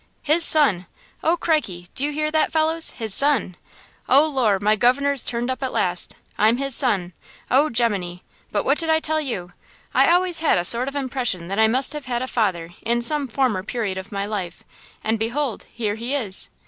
"His son! Oh, crikey! do you hear that, fellows? His son? Oh, Lor'! my governor's turned up at last. I'm his son! oh, gemini! But what did I tell you! I always had a sort of impression that I must have had a father in some former period of my life; and, behold, here he is!